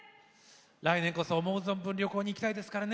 来年こそ思う存分旅行に行きたいですからね。